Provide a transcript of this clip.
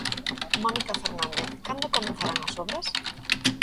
Mónica Fernández, cando comezarán as obras?